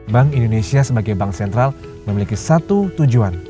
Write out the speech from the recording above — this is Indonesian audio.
bank indonesia sebagai bank sentral memiliki satu tujuan